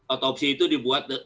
otopsi itu dibuat